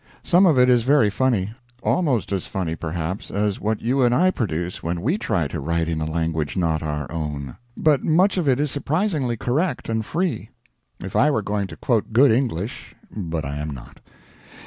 Some of it is very funny, almost as funny, perhaps, as what you and I produce when we try to write in a language not our own; but much of it is surprisingly correct and free. If I were going to quote good English but I am not.